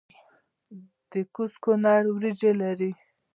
د کوز کونړ وریجې لري